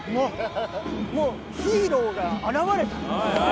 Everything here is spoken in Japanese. もうヒーローが現れた目の前に。